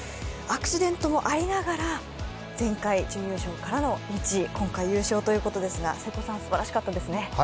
アクシデントもありながら前回準優勝からの１位今回、優勝ということですが瀬古さん、すばらしかったですね。